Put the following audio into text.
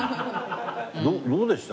どうでした？